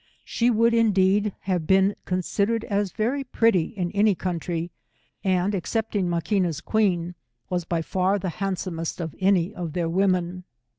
She would, iodeed, have been considered as very pretty in any country, and excepting Maqaina's queen, was by far the handsomest of any of their women.